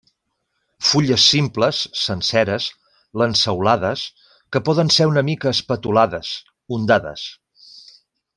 Fulles simples, senceres, lanceolades, que poden ser una mica espatulades, ondades.